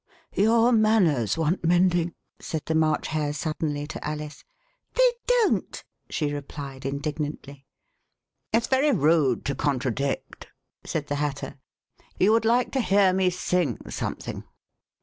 "Your manners want mending," said the March Hare suddenly to Alice. "They don't," she replied indignantly. 54 Alice has Tea at the Hotel Cecil It's very rude to contradict," said the Hatter ;'* you would like to hear me sing something."